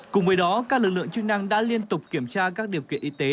cùng với đó các lực lượng chức năng đã liên tục kiểm tra các điều kiện y tế